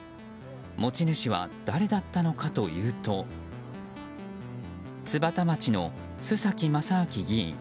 持ち主は誰だったのかというと津幡町の洲崎正昭議員。